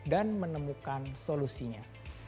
dan menemukan solusinya